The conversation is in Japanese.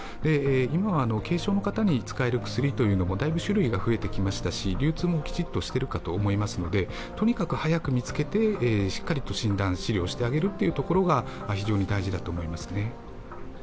今は軽症の方に使える薬もだいぶ種類が増えてきましたし、流通もきちっとしているかと思いますのでとにかく早く見つけてしっかりと診断、治療してあげるというところが非常に大事だと思いますね。